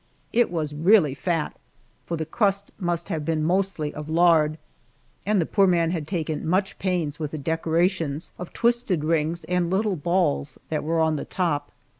It was really fat, for the crust must have been mostly of lard, and the poor man had taken much pains with the decorations of twisted rings and little balls that were on the top.